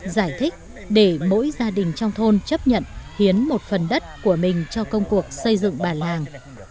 giải thích để mỗi gia đình trong thôn chấp nhận hiến một phần đất của mình cho công cuộc xây dựng bà làng